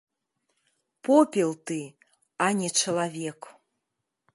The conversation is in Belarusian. Попел ты, а не чалавек.